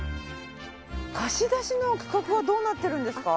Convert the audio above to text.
貸し出しの区画はどうなってるんですか？